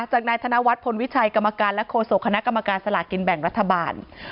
จากนายธนวัฒนพลวิชัยกรรมการและโฆษกคณะกรรมการสลากินแบ่งรัฐบาล